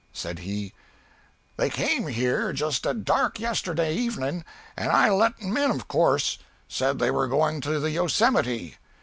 Said he "They came here just at dark yesterday evening, and I let them in of course. Said they were going to the Yosemite.